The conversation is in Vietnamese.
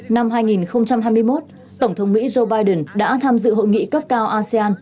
năm hai nghìn hai mươi một tổng thống mỹ joe biden đã tham dự hội nghị cấp cao asean